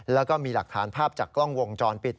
แล้วก็มีหลักฐานภาพจากกล้องวงจรปิด